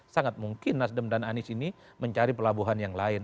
sangat mungkin nasdem dan anies ini mencari pelabuhan yang lain